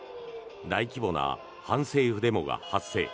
大規模な反政府デモが発生。